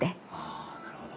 あなるほど。